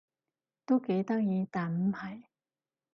都幾得意但唔係